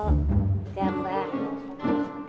eh siapa ini